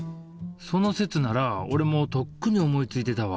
その説なら俺もとっくに思いついてたわ。